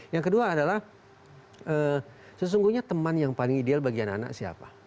yang kedua adalah sesungguhnya teman yang paling ideal bagi anak anak siapa